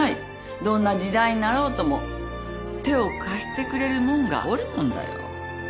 どんな時代になろうとも手を貸してくれるもんがおるもんだよ。